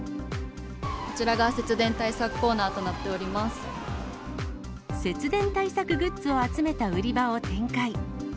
こちらが節電対策コーナーと節電対策グッズを集めた売り場を展開。